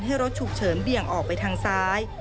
ให้รถฉุกเฉินเบี่ยงออกไปทางซ้าย